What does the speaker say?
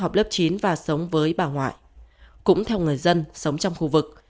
học lớp chín và sống với bà ngoại cũng theo người dân sống trong khu vực